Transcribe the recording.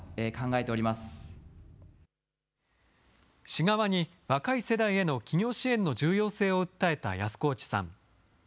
市側に若い世代への起業支援の重要性を訴えた安河内さん。